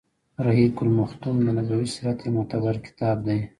رحيق المختوم د نبوي سیرت يو معتبر کتاب دی.